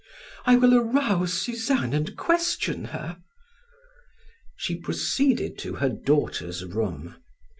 I will arouse Suzanne and question her." She proceeded to her daughter's room.